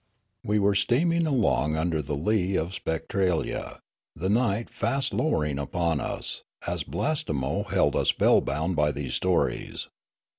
" We were steaming along under the lee of Spectra lia, the night fast lowering upon us, as Blastemo held us spellbound by these stories.